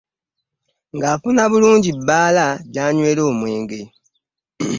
Nga afuna bulunji ebbala janywera omwenge .